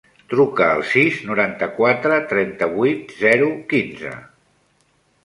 Truca al sis, noranta-quatre, trenta-vuit, zero, quinze.